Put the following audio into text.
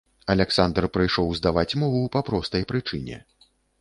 Аляксандр прыйшоў здаваць мову па простай прычыне.